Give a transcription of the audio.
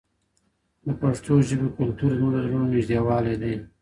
د پښتو ژبې کلتور زموږ د زړونو نږدېوالی دی.